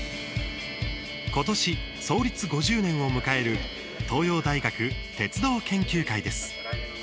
今年、創立５０年を迎える東洋大学鉄道研究会です。